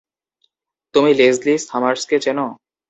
তুমি লেসলি সামার্সকে চেনো?